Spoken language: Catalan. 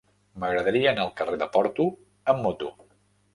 M'agradaria anar al carrer de Porto amb moto.